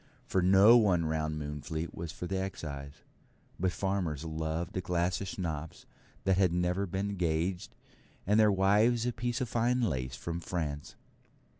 For no one round Moonfleet was for the Excise; but farmers loved a glass of Schnapps that had never been gauged, and their wives a piece of fine lace from France.